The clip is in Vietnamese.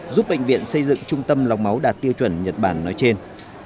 giúp bệnh viện xây dựng trung tâm lọc máu đạt tiêu chuẩn nhật bản nói trên